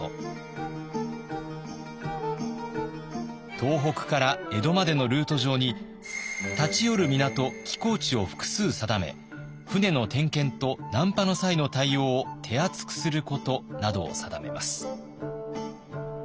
東北から江戸までのルート上に立ち寄る港寄港地を複数定め船の点検と難破の際の対応を手厚くすることなどを定めます。